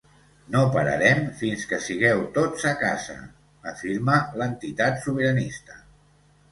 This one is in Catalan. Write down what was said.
No pararem fins que sigueu tots a casa!, afirma l’entitat sobiranista.